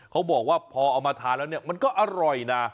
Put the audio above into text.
เขาบอกว่าพอเอามาทานแล้วเนี่ยมันก็อร่อยนะ